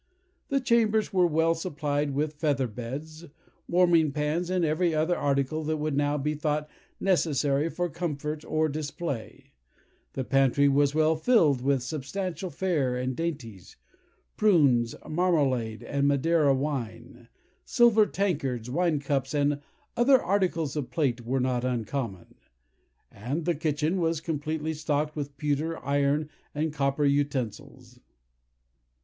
The chambers were well supplied with feather beds, warming pans, and every other article that would now be thought necessary for comfort or display. The pantry was well filled with substantial fare and dainties—prunes, marmalade, and Madeira wine. Silver tankards, wine cups, and other articles of plate, were not uncommon; and the kitchen was completely stocked with pewter, iron, and copper utensils.